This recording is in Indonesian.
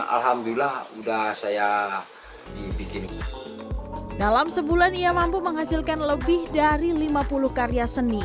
alhamdulillah udah saya dibikin dalam sebulan ia mampu menghasilkan lebih dari lima puluh karya seni